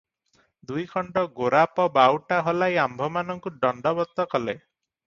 ଦୁଇଖଣ୍ଡ ଗୋରାପ ବାଉଟା ହଲାଇ ଆମ୍ଭମାନଙ୍କୁ ଦଣ୍ଡବତ କଲେ ।